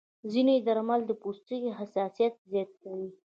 ځینې درمل د پوستکي حساسیت زیاتوي.